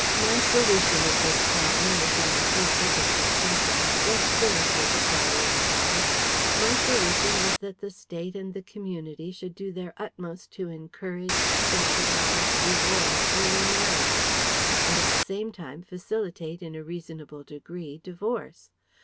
My solution of this problem which I am so sick of discussing.... But let's finish with it while we are about it my solution is that the State and the Community should do their utmost to encourage, subsidize, reward early marriages; and at the same time facilitate in a reasonable degree divorce.